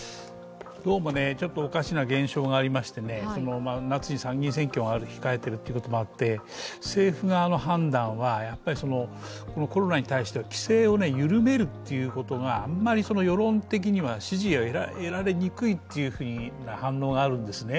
今日もおかしな現象がありまして、夏に参議院選挙が控えてることもありまして政府側の判断は、コロナに対して規制を緩めるということがあまり世論的には支持を得られにくいという反応があるんですね。